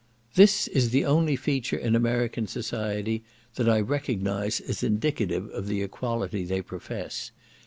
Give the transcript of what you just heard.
This is the only feature in American society that I recognise as indicative of the equality they profess.